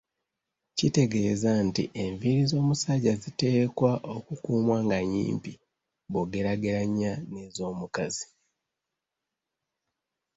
Kitegeeza nti, enviiri z'omusajja ziteekwa okukuumwa nga nnyimpi bw'ogerageranya n'ezomukazi.